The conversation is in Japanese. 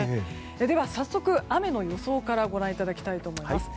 では早速、雨の予想からご覧いただきます。